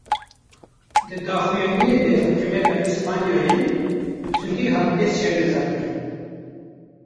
Di daxuyaniyê de hukûmeta Îspanyayê, bi tundî hate şermezarkirin